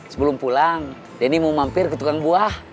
sebelum pulang denny mau mampir ketukang buah